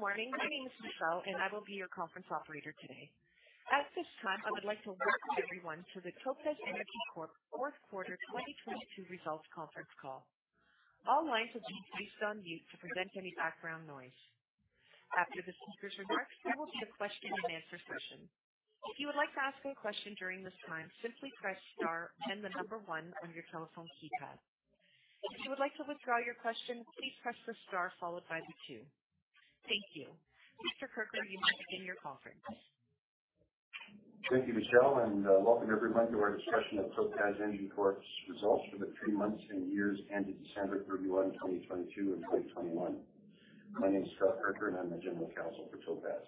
Good morning. My name is Michelle, and I will be your conference operator today. At this time, I would like to welcome everyone to the Topaz Energy Corp Fourth Quarter 2022 Results Conference Call. All lines have been placed on mute to prevent any background noise. After the speakers' remarks, there will be a question-and-answer session. If you would like to ask a question during this time, simply press star then the number 1 on your telephone keypad. If you would like to withdraw your question, please press the star followed by the 2. Thank you. Mr. Kirker, you may begin your conference. Thank you, Michelle, and welcome everyone to our discussion of Topaz Energy Corp's results for the three months and years ended December 31, 2022, and 2021. My name is Scott Kirker, and I'm the General Counsel for Topaz.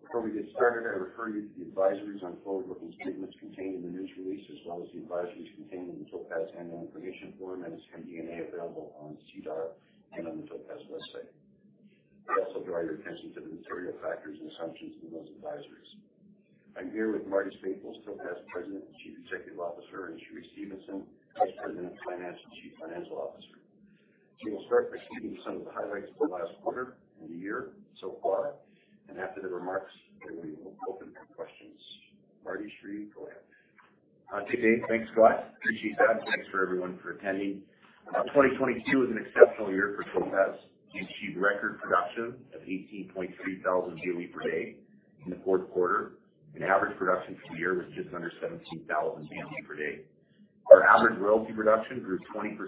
Before we get started, I refer you to the advisories on forward-looking statements contained in the news release, as well as the advisories contained in the Topaz annual information form and its 10-K and A available on SEDAR and on the Topaz website. I also draw your attention to the material factors and assumptions in those advisories. I'm here with Marty Staples, who's Topaz President and Chief Executive Officer, and Cheree Stephenson, Vice President of Finance and Chief Financial Officer. We will start by giving you some of the highlights for the last quarter and the year so far, and after the remarks, we will open for questions. Marty, Cheree, go ahead. Good day. Thanks, Scott. Appreciate that. Thanks for everyone for attending. 2022 was an exceptional year for Topaz. We achieved record production of 18.3 thousand BOE per day in the fourth quarter, and average production for the year was just under 17,000 BOE per day. Our average royalty production grew 20%,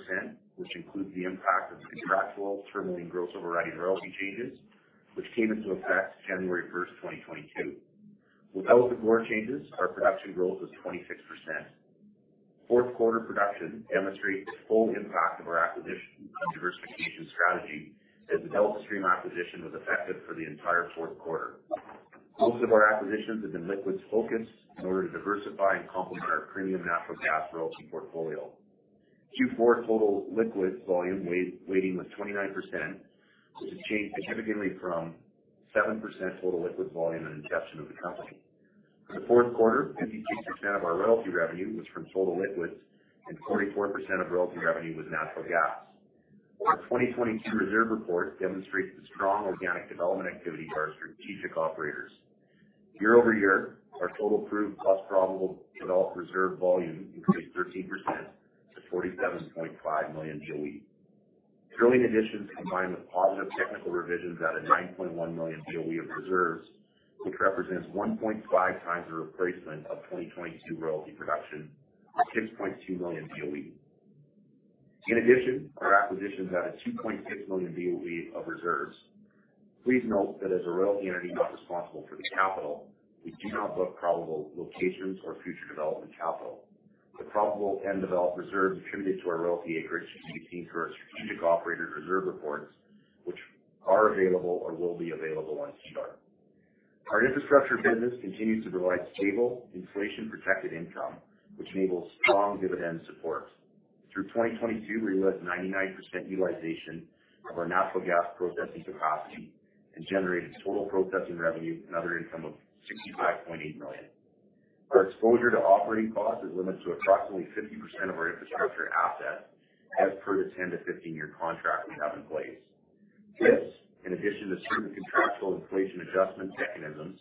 which includes the impact of the contractual term and gross overriding royalty changes, which came into effect January 1, 2022. Without the GORR changes, our production growth was 26%. Fourth quarter production demonstrates the full impact of our acquisition and diversification strategy as the Deltastream acquisition was effective for the entire fourth quarter. Most of our acquisitions have been liquids focused in order to diversify and complement our premium natural gas royalty portfolio. Q4 total liquids volume weighting was 29%, which has changed significantly from 7% total liquid volume at inception of the company. For the fourth quarter, 52% of our royalty revenue was from total liquids, and 44% of royalty revenue was natural gas. Our 2022 reserve report demonstrates the strong organic development activity of our strategic operators. Year-over-year, our total proved plus probable developed reserve volume increased 13% to 47.5 million BOE. Drilling additions combined with positive technical revisions added 9.1 million BOE of reserves, which represents 1.5 times the replacement of 2022 royalty production, 6.2 million BOE. Our acquisitions added 2.6 million BOE of reserves. Please note that as a royalty entity not responsible for the capital, we do not book probable locations or future development capital. The probable and developed reserves attributed to our royalty acreage should be obtained through our strategic operator reserve reports, which are available or will be available on SEDAR. Our infrastructure business continues to provide stable, inflation-protected income, which enables strong dividend support. Through 2022, we realized 99% utilization of our natural gas processing capacity and generated total processing revenue, another income of 65.8 million. Our exposure to operating costs is limited to approximately 50% of our infrastructure assets as per the 10-15 year contract we have in place. This, in addition to certain contractual inflation adjustment mechanisms,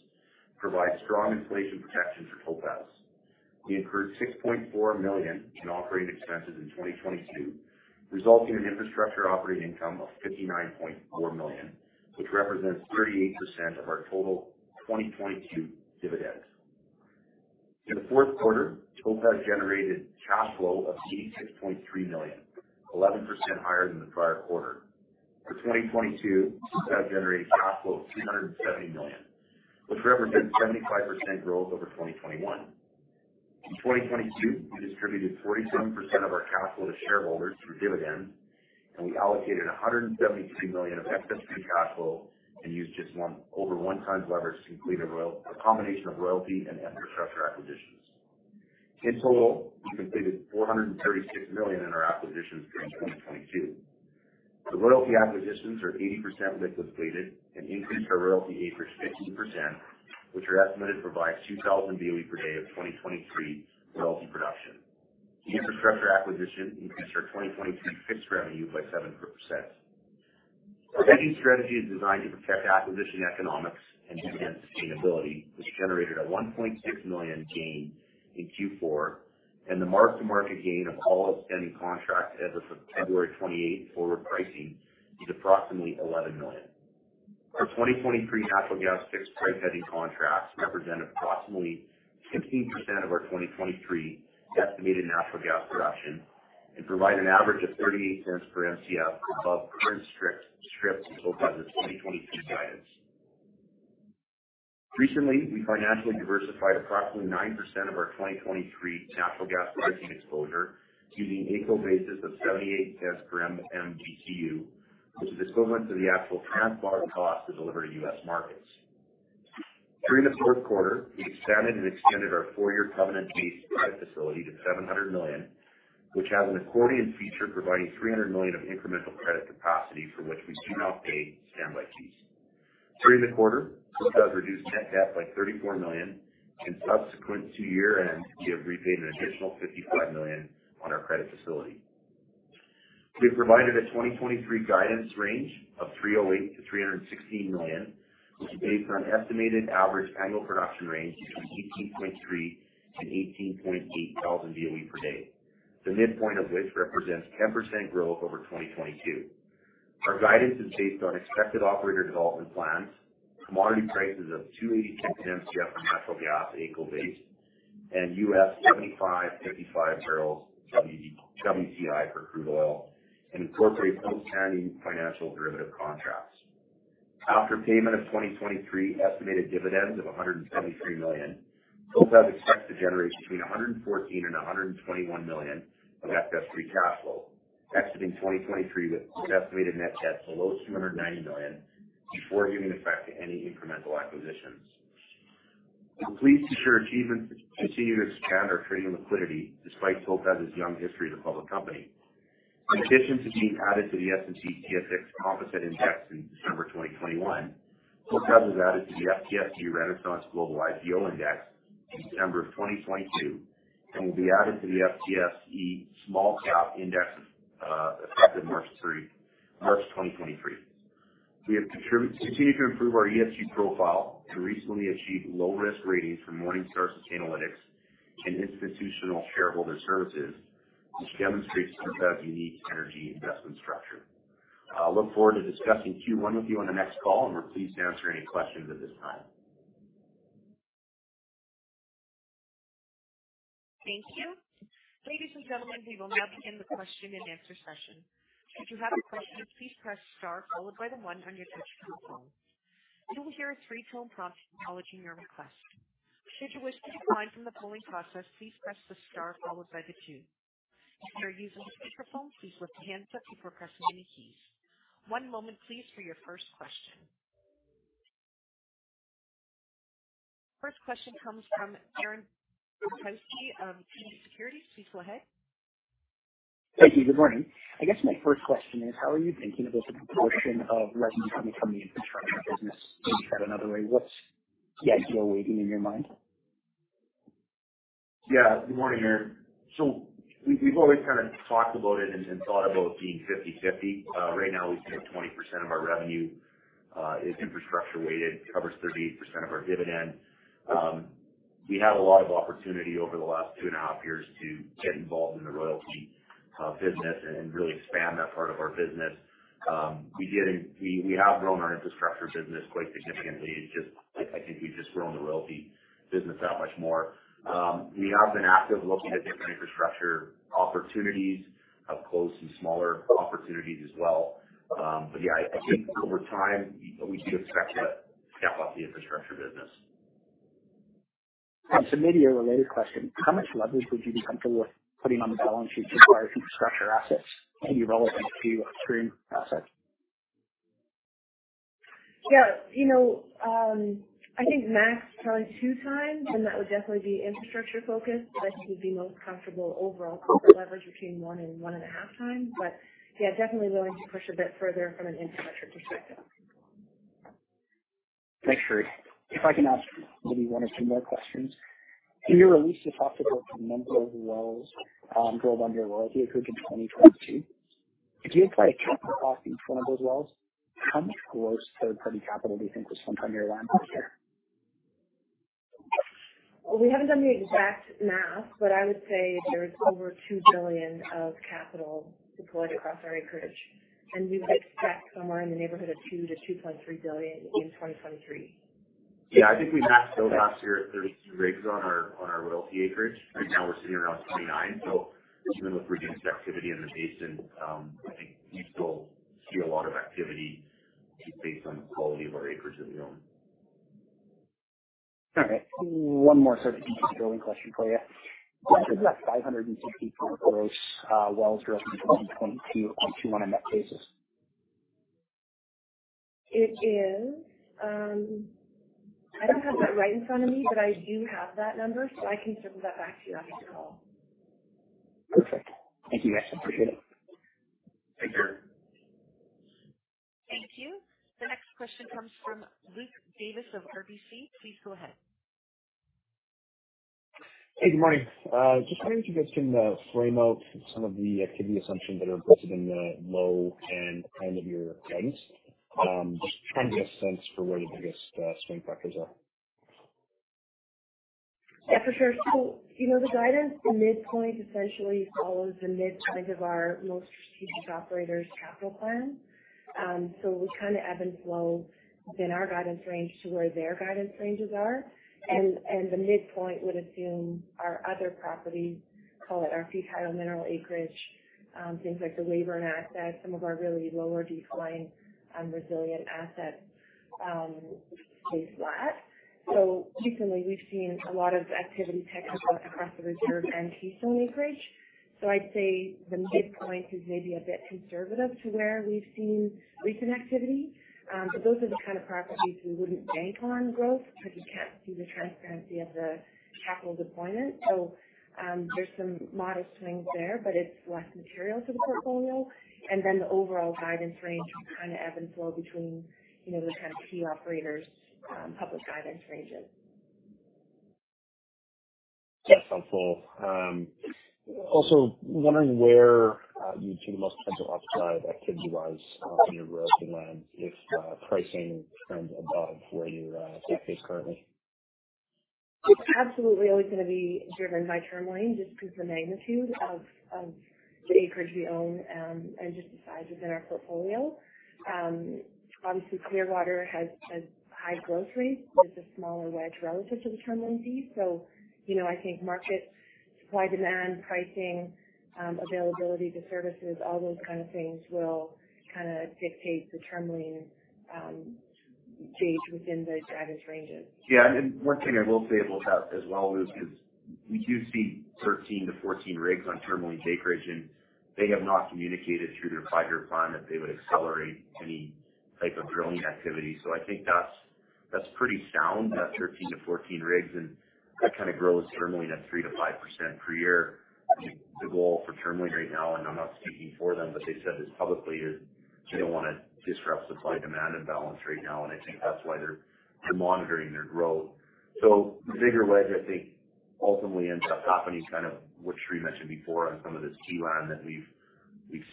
provides strong inflation protection for Topaz. We incurred 6.4 million in operating expenses in 2022, resulting in infrastructure operating income of 59.4 million, which represents 38% of our total 2022 dividends. In the fourth quarter, Topaz generated cash flow of 86.3 million, 11% higher than the prior quarter. For 2022, Topaz generated cash flow of 270 million, which represents 75% growth over 2021. In 2022, we distributed 47% of our cash flow to shareholders through dividends. We allocated 172 million of excess free cash flow and used just over 1 times leverage to complete a combination of royalty and infrastructure acquisitions. In total, we completed 436 million in our acquisitions during 2022. The royalty acquisitions are 80% liquid weighted and increased our royalty acreage 16%, which are estimated to provide 2,000 BOE per day of 2023 royalty production. The infrastructure acquisition increased our 2022 fixed revenue by 7%. Our hedging strategy is designed to protect acquisition economics and dividend sustainability, which generated a 1.6 million gain in Q4, and the mark-to-market gain of all outstanding contracts as of February 28 forward pricing is approximately 11 million. Our 2023 natural gas fixed price hedging contracts represent approximately 15% of our 2023 estimated natural gas production and provide an average of 0.38 per Mcf above current strip, Topaz's 2022 guidance. Recently, we financially diversified approximately 9% of our 2023 natural gas pricing exposure to the AECO basis of 0.78 per MMBtu, which is equivalent to the actual transport cost to deliver to U.S. markets. During the fourth quarter, we expanded and extended our four-year covenant-based credit facility to 700 million, which has an accordion feature providing 300 million of incremental credit capacity for which we do not pay standby fees. During the quarter, Topaz reduced net debt by 34 million and subsequent to year-end, we have repaid an additional 55 million on our credit facility. We have provided a 2023 guidance range of 308 million-316 million, which is based on an estimated average annual production range between 18.3 and 18.8 thousand BOE per day. The midpoint of which represents 10% growth over 2022. Our guidance is based on expected operator development plans, commodity prices of $2.82 U.S. natural gas, AECO basis, and U.S. $75.55 barrels WTI for crude oil, and incorporates post-heaven financial derivative contracts. After payment of 2023 estimated dividends of 173 million, Topaz expects to generate between 114 million-121 million of free cash flow, exiting 2023 with an estimated net debt below 290 million before giving effect to any incremental acquisitions. We're pleased to share achievements as we continue to expand our trading liquidity despite Topaz's young history as a public company. In addition to being added to the S&P/TSX Composite Index in December 2021, Topaz was added to the FTSE Renaissance Global IPO Index in December 2022 and will be added to the FTSE Small Cap Index, effective March 2023. We have continued to improve our ESG profile to recently achieve low risk ratings from Morningstar Sustainalytics and Institutional Shareholder Services, which demonstrates Topaz's unique energy investment structure. I'll look forward to discussing Q1 with you on the next call, and we're pleased to answer any questions at this time. Thank you. Ladies and gentlemen, we will now begin the question and answer session. If you have a question, please press star followed by the one on your touchtone phone. You will hear a 3-tone prompt acknowledging your request. Should you wish to decline from the polling process, please press the star followed by the two. If you're using a speakerphone, please lift hands up before pressing any keys. One moment please for your first question. First question comes from Aaron Bilkoski of TD Securities. Please go ahead. Thank you. Good morning. I guess my first question is how are you thinking about the proportion of revenue coming from the infrastructure business? Maybe said another way, what's the ideal weighting in your mind? Good morning, Aaron. We've always kind of talked about it and thought about being 50/50. Right now we say 20% of our revenue is infrastructure weighted, covers 38% of our dividend. We had a lot of opportunity over the last two and a half years to get involved in the royalty business and really expand that part of our business. We have grown our infrastructure business quite significantly. It's just, I think we've just grown the royalty business that much more. We have been active looking at different infrastructure opportunities. Up close some smaller opportunities as well. I think over time we do expect to step up the infrastructure business. Maybe a related question. How much leverage would you be comfortable with putting on the balance sheet to acquire some infrastructure assets? Maybe relevant to upstream assets. Yeah. You know, I think max probably 2 times, that would definitely be infrastructure focused. I think we'd be most comfortable overall with a leverage between 1 and 1.5 times. Yeah, definitely willing to push a bit further from an infrastructure perspective. Thanks, Marie. If I can ask maybe one or two more questions. In your release, you talked about the number of wells drilled on your royalty acreage in 2022. If you apply a typical cost to each one of those wells, how much gross third party capital do you think was spent on your land last year? We haven't done the exact math, but I would say there's over 2 billion of capital deployed across our acreage, and we would expect somewhere in the neighborhood of 2 billion-2.3 billion in 2023. I think we max drilled last year at 32 rigs on our, on our royalty acreage. Right now we're sitting around 29. Even with reduced activity in the basin, I think we still see a lot of activity just based on the quality of our acreage that we own. All right. One more sort of industry drilling question for you. Is that 564 gross wells drilled in 2022 on 210 net basis? It is. I don't have that right in front of me, but I do have that number, so I can circle that back to you after the call. Perfect. Thank you guys. Appreciate it. Thanks, Aaron. Thank you. The next question comes from Luke Davis of RBC. Please go ahead. Hey, good morning. just wondering if you guys can frame out some of the activity assumptions that are included in the low end plan of your guidance? just trying to get a sense for where your biggest swing factors are. Yeah, for sure. You know, the guidance, the midpoint essentially follows the midpoint of our most strategic operators' capital plan. We kind of ebb and flow within our guidance range to where their guidance ranges are. The midpoint would assume our other properties, call it our fee title mineral acreage, things like the Weber and Access, some of our really lower decline, resilient assets, stay flat. Recently we've seen a lot of activity technical across the Reserve and Eastland acreage. I'd say the midpoint is maybe a bit conservative to where we've seen recent activity. Those are the kind of properties we wouldn't bank on growth because you can't see the transparency of the capital deployment. There's some modest swings there, but it's less material to the portfolio. Then the overall guidance range will kind of ebb and flow between, you know, the kind of key operators', public guidance ranges. That's helpful. Also wondering where you see the most potential upside activity-wise on your royalty land if pricing trends above where your take is currently? It's absolutely always gonna be driven by Tourmaline just because the magnitude of the acreage we own, and just the sizes in our portfolio. Obviously, Clearwater has high growth rates. It's a smaller wedge relative to the Tourmaline piece. You know, I think market supply, demand, pricing, availability to services, all those kind of things will kinda dictate the Tourmaline gauge within the guidance ranges. Yeah. One thing I will say about that as well is we do see 13-14 rigs on Tourmaline acreage, and they have not communicated through their five-year plan that they would accelerate any type of drilling activity. I think that's pretty sound, that 13-14 rigs. That kinda grows Tourmaline at 3%-5% per year. The goal for Tourmaline right now, and I'm not speaking for them, but they've said this publicly, is they don't wanna disrupt supply demand and balance right now. I think that's why they're monitoring their growth. The bigger wedge, I think, ultimately ends up happening, kind of which Cheree mentioned before on some of this key land that we've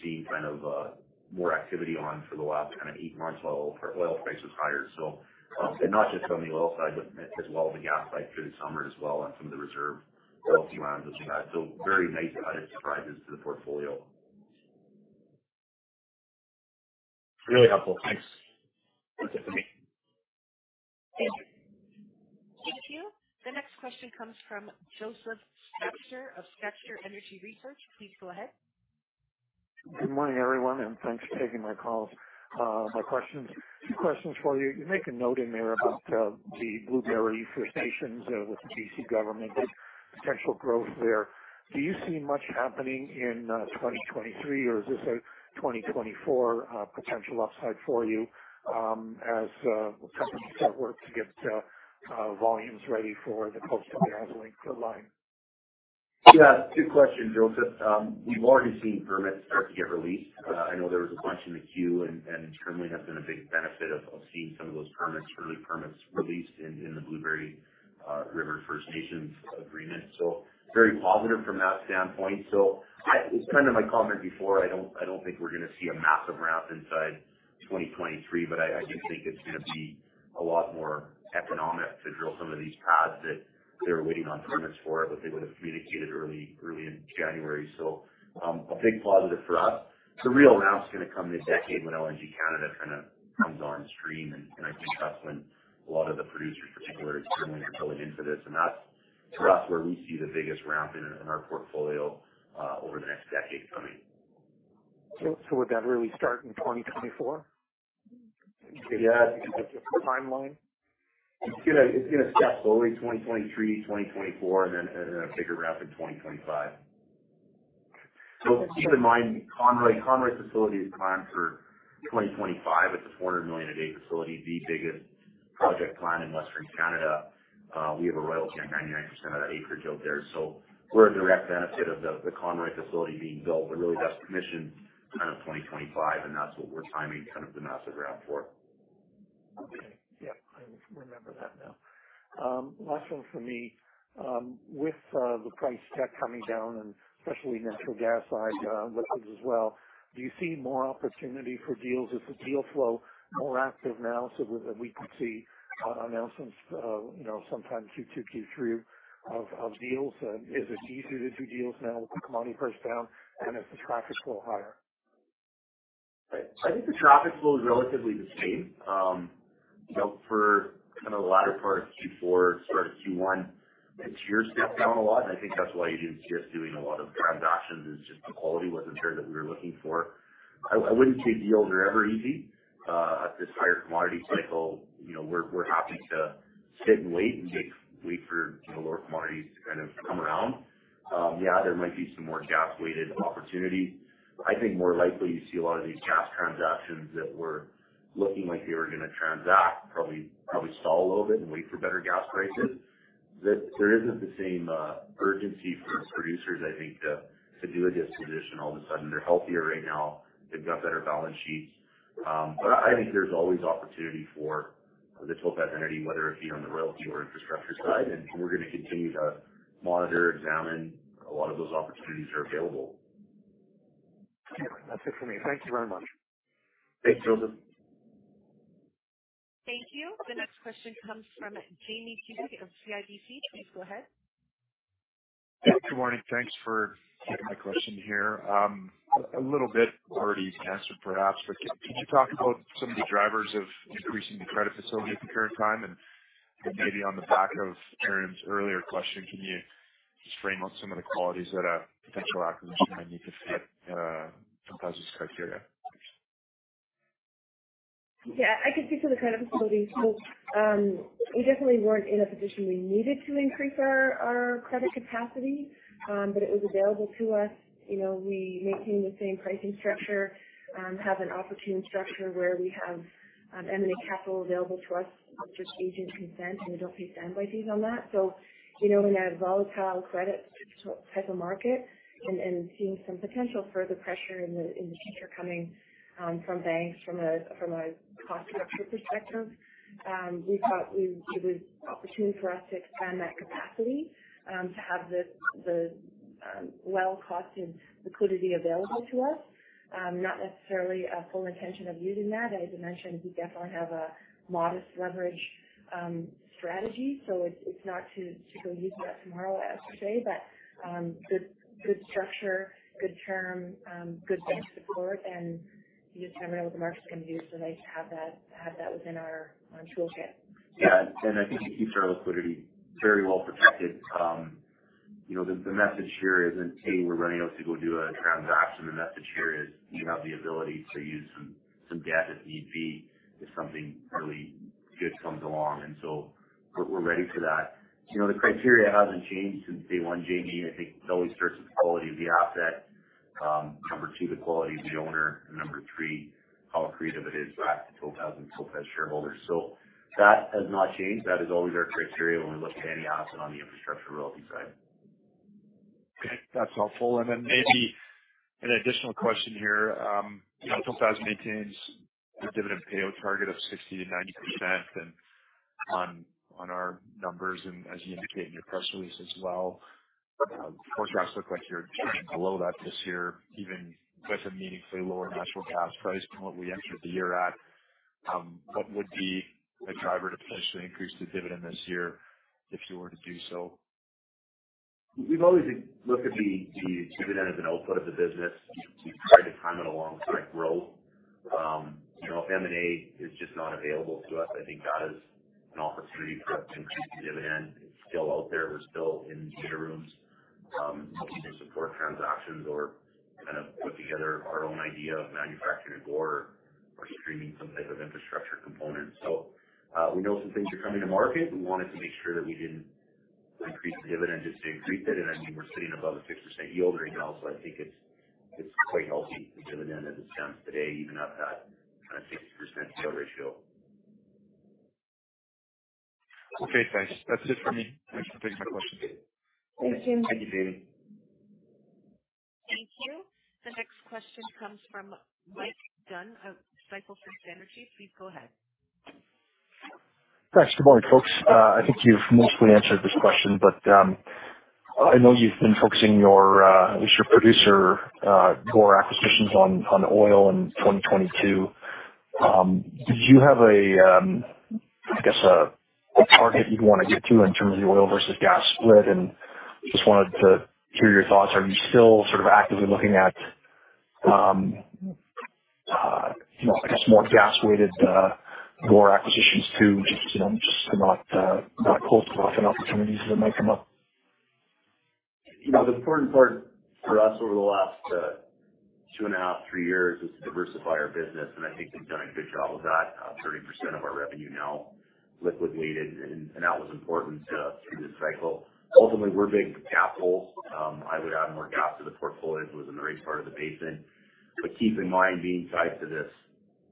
seen kind of more activity on for the last kinda 8 months while oil price was higher. And not just on the oil side, but as well on the gas side through the summer as well on some of the Reserve royalty lands that we have. Very nice added surprises to the portfolio. Really helpful. Thanks. That's it for me. Thank you. Thank you. The next question comes from Joseph Schachter of Schachter Energy Research. Please go ahead. Good morning, everyone, and thanks for taking my calls. Few questions for you. You make a note in there about the Blueberry First Nations with the BC government, the potential growth there. Do you see much happening in 2023, or is this a 2024 potential upside for you, as companies start work to get volumes ready for the Coastal GasLink line? Yeah. Two questions, Joseph. We've already seen permits start to get released. I know there was a bunch in the queue and Tourmaline has been a big benefit of seeing some of those permits, Tourmaline permits released in the Blueberry River First Nations agreement. Very positive from that standpoint. It's kind of my comment before. I don't think we're gonna see a massive ramp inside 2023, but I do think it's gonna be a lot more economic to drill some of these pads that they're waiting on permits for, but they would have communicated early in January. A big positive for us. The real ramp's gonna come this decade when LNG Canada kinda comes on stream. I think that's when a lot of the producers, particularly Tourmaline, are going into this. That's, for us, where we see the biggest ramp in our portfolio, over the next decade coming. would that really start in 2024? Yeah. Do you have a timeline? It's gonna start slowly, 2023, 2024. Then a bigger ramp in 2025. Keep in mind, Conroy's facility is planned for 2025. It's a 400 million a day facility, the biggest project plan in Western Canada. We have a royalty on 99% of that acreage out there. We're a direct benefit of the Conroy facility being built. Really that's commissioned kind of 2025, That's what we're timing kind of the massive ramp for. Okay. Yeah, I remember that now. Last one for me. With the price check coming down and especially natural gas side, liquids as well, do you see more opportunity for deals? Is the deal flow more active now so that we could see announcements, you know, sometime Q2, Q3 of deals? Is it easier to do deals now with the commodity price down? Is the traffic flow higher? I think the traffic flow is relatively the same. you know, for kinda the latter part of Q4, start of Q1, interiors dipped down a lot. I think that's why you didn't see us doing a lot of transactions. It's just the quality wasn't there that we were looking for. I wouldn't say deals are ever easy. at this higher commodity cycle, you know, we're happy to sit and wait for, you know, lower commodities to kind of come around. yeah, there might be some more gas-weighted opportunity. I think more likely you see a lot of these gas transactions that were looking like they were gonna transact probably stall a little bit and wait for better gas prices. There isn't the same urgency for producers, I think, to do a disposition all of a sudden. They're healthier right now. They've got better balance sheets. I think there's always opportunity for additional asset energy, whether it be on the royalty or infrastructure side. We're going to continue to monitor, examine a lot of those opportunities that are available. Okay. That's it for me. Thank you very much. Thanks, Joseph. Thank you. The next question comes from Jamie Kubik of CIBC. Please go ahead. Good morning. Thanks for taking my question here. A little bit already answered perhaps, but can you talk about some of the drivers of increasing the credit facility at the current time? Maybe on the back of Aaron's earlier question, can you just frame out some of the qualities that a potential acquisition might need to hit Topaz's criteria? I can speak to the credit facility. We definitely weren't in a position we needed to increase our credit capacity, but it was available to us. You know, we maintain the same pricing structure, have an opportune structure where we have M&A capital available to us with just agent consent, and we don't pay standby fees on that. You know, in a volatile credit type of market and seeing some potential further pressure in the, in the future coming, from banks from a, from a cost structure perspective, we thought it was opportunity for us to expand that capacity, to have the well cost and liquidity available to us. Not necessarily a full intention of using that. As I mentioned, we definitely have a modest leverage strategy. It's not to go use that tomorrow, as you say, but, good structure, good term, good bank support. You just never know what the market's gonna do. Nice to have that within our toolkit. I think it keeps our liquidity very well protected. you know, the message here isn't, "Hey, we're running out, so go do a transaction." The message here is we have the ability to use some debt if need be, if something really good comes along. We're ready for that. you know, the criteria hasn't changed since day 1, Jamie, I think it always starts with the quality of the asset. Number 2, the quality of the owner. Number 3, how creative it is back to Topaz and Topaz shareholders. That has not changed. That is always our criteria when we look at any asset on the infrastructure royalty side. Okay. That's helpful. Then maybe an additional question here. You know, Topaz maintains the dividend payout target of 60% to 90% and on our numbers and as you indicate in your press release as well. Forecasts look like you're trending below that this year, even with a meaningfully lower natural gas price than what we entered the year at. What would be the driver to potentially increase the dividend this year if you were to do so? We've always looked at the dividend as an output of the business. We try to time it alongside growth. you know, if M&A is just not available to us, I think that is an opportunity for us to increase the dividend. It's still out there. We're still in data rooms, looking to support transactions or kind of put together our own idea of manufacturing a GORR or streaming some type of infrastructure component. We know some things are coming to market. We wanted to make sure that we didn't increase the dividend just to increase it. I mean, we're sitting above a 6% yield right now, so I think it's quite healthy, the dividend as it stands today, even at that kind of 60% pay ratio. Okay, thanks. That's it for me. Thanks for taking my questions. Thanks, Jamie. Thank you, Jamie. Thank you. The next question comes from Mike Dunn of Cycle Six Energy. Please go ahead. Thanks. Good morning, folks. I think you've mostly answered this question. I know you've been focusing your at least your producer GORR acquisitions on oil in 2022. Did you have a I guess a target you'd wanna get to in terms of the oil versus gas split? Just wanted to hear your thoughts. Are you still sort of actively looking at you know, I guess, more gas-weighted GORR acquisitions too, just you know, just to not close off any opportunities that might come up? You know, the important part for us over the last 2.5, 3 years is to diversify our business, and I think we've done a good job of that. 30% of our revenue now liquid weighted, and that was important to us through this cycle. Ultimately, we're big gas holes. I would add more gas to the portfolio if it was in the right part of the basin. Keep in mind, being tied to this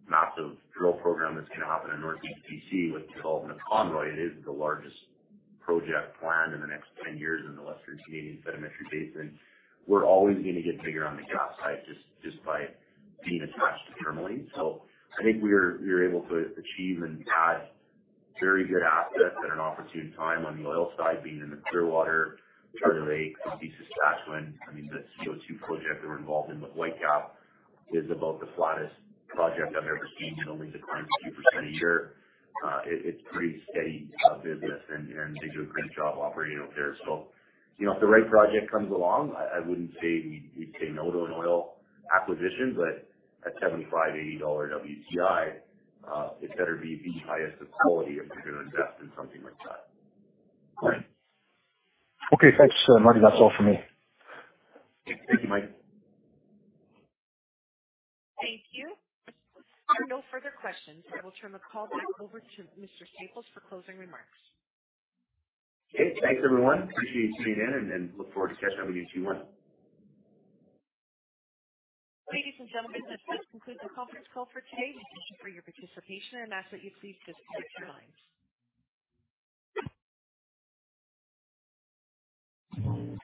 massive drill program that's gonna happen in Northeast BC with development of Conroy, it is the largest project planned in the next 10 years in the Western Canadian Sedimentary Basin. We're always gonna get bigger on the gas side just by being attached to Tourmaline. I think we're able to achieve and add very good assets at an opportune time on the oil side, being in the Clearwater, Carter Lake, northeast Saskatchewan. I mean, the CO2 project we're involved in with Whitecap is about the flattest project I've ever seen. It only declines 2% a year. It's pretty steady business and they do a great job operating up there. You know, if the right project comes along, I wouldn't say we'd say no to an oil acquisition, but at $75-$80 WTI, it better be the highest of quality if we're gonna invest in something like that. Great. Okay, thanks, Marty. That's all for me. Thank you, Mike. Thank you. There are no further questions. I will turn the call back over to Mr. Staples for closing remarks. Okay, thanks everyone. Appreciate you tuning in and look forward to catching up with you 2021. Ladies and gentlemen, this does conclude the conference call for today. Thank you for your participation and I ask that you please disconnect your lines.